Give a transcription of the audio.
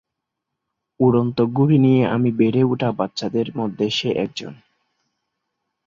উড়ন্ত ঘুড়ি নিয়ে আমি বেড়ে ওঠা বাচ্চাদের মধ্যে সে একজন।